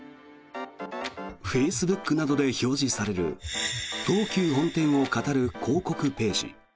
フェイスブックなどで表示される東急本店をかたる広告ページ。